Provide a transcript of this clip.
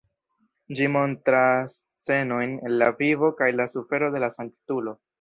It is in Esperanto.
Ĝi montras scenojn el la vivo kaj la sufero de la sanktulo.